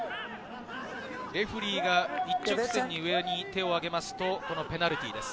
レフェリーが一直線に、上に手を上げますと、ペナルティーです。